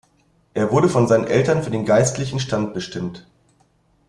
Er wurde von seinen Eltern für den geistlichen Stand bestimmt.